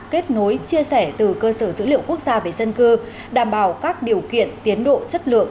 kết nối chia sẻ từ cơ sở dữ liệu quốc gia về dân cư đảm bảo các điều kiện tiến độ chất lượng